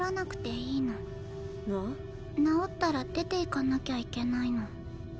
治ったら出ていかなきゃいけないの。